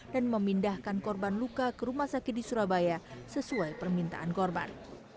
dan memindahkan korban luka ke rumah sakit di surabaya sesuai permintaan korban